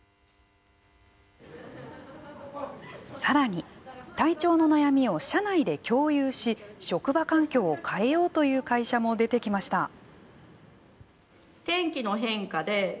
さらに体調の悩みを社内で共有し職場環境を変えようという会社も出てきました。